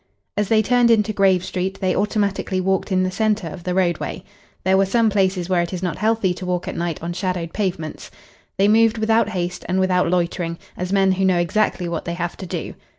As they turned into Grave Street they automatically walked in the centre of the roadway. There are some places where it is not healthy to walk at night on shadowed pavements. They moved without haste and without loitering, as men who know exactly what they have to do.